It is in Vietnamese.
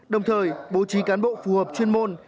đồng thời bố trí cán bộ phù hợp chuyên môn